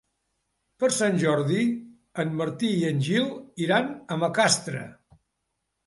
Per Sant Jordi en Martí i en Gil iran a Macastre.